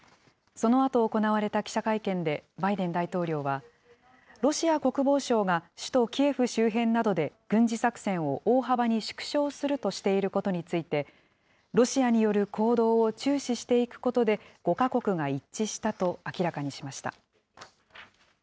そのあと行われた記者会見で、バイデン大統領はロシア国防省が首都キエフ周辺などで軍事作戦を大幅に縮小するとしていることについて、ロシアによる行動を注視していくことで５か国が一致したと明らかにしました。